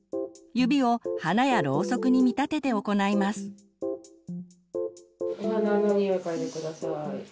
指を花やろうそくに見立てて行います。